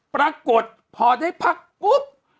ปรากฏพอได้พักปุ๊บ